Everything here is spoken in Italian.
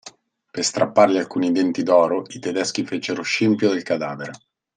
Per strappargli alcuni denti d'oro, i tedeschi fecero scempio del cadavere.